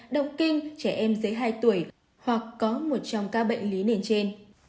động kinh trẻ em dưới hai tuổi hoặc có một trong các bệnh lý nền trên